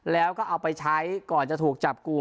แล้วก็เอาไปใช้ก่อนจะถูกจับกลุ่ม